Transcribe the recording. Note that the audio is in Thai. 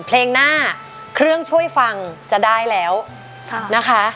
เพลงหน้าเครื่องช่วยฟังจะได้แล้วนะคะ